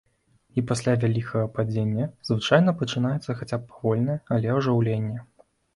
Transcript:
І пасля вялікага падзення звычайна пачынаецца хаця б павольнае, але ажыўленне.